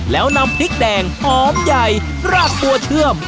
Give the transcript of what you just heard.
แล้วนำพริกแดงหอมใหญ่รากบัวเชื่อม